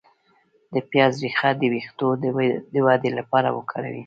د پیاز ریښه د ویښتو د ودې لپاره وکاروئ